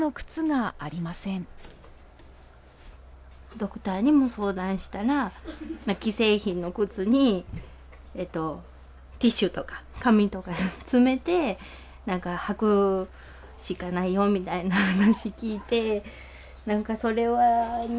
ドクターにも相談したら既製品の靴にえっとティッシュとか紙とか詰めてなんか履くしかないよみたいな話聞いてなんかそれはね